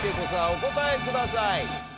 お答えください。